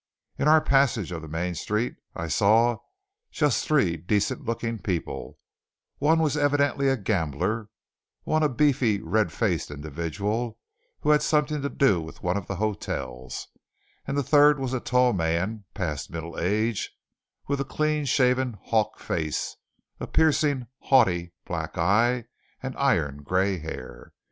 In our passage of the main street I saw just three decent looking people one was evidently a gambler, one a beefy, red faced individual who had something to do with one of the hotels, and the third was a tall man, past middle age, with a clean shaven, hawk face, a piercing, haughty, black eye, and iron gray hair.